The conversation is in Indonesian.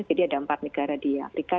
jadi ada empat negara di afrika